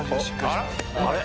あれ？